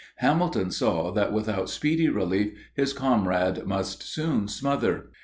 Hamilton saw that without speedy relief his comrade must soon smother.